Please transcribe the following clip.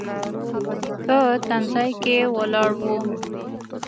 په تم ځای کې ولاړ و.